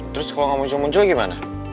terus kalau nggak muncul munculnya gimana